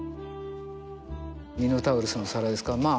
「ミノタウロスの皿」ですかまあ